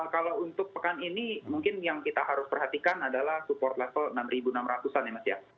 kalau untuk pekan ini mungkin yang kita harus perhatikan adalah support level enam enam ratus an ya mas ya